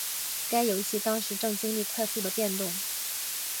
该游戏当时正经历快速的变动。